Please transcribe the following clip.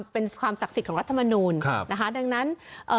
เป็นความศักดิ์สิทธิ์ของรัฐมนูลครับนะคะดังนั้นเอ่อ